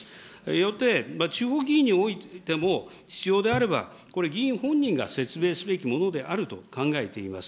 よって、地域議員においても、必要であれば、これ、議員本人が説明すべきものであると考えています。